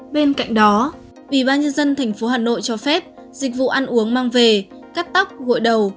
bên cạnh đó ubnd tp hà nội cho phép dịch vụ ăn uống mang về cắt tóc gội đầu